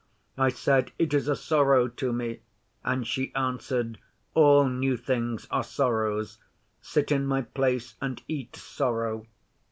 I said, "It is a sorrow to me"; and she answered, "All new things are sorrow. Sit in my place, and eat sorrow."